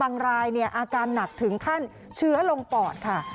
รายอาการหนักถึงขั้นเชื้อลงปอดค่ะ